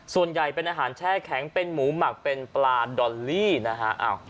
ส่วนใหญ่เป็นอาหารแช่แข็งเป็นหมูหมักเป็นปลาดอลลี่นะฮะ